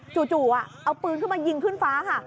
จู่เอาปืนขึ้นมายิงขึ้นฟ้าค่ะ